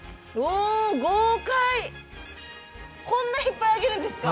こんないっぱいあげるんですか？